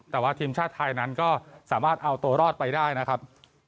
แต่ว่าทีมชาติไทยนั้นก็สามารถเอาตัวรอดไปได้นะครับ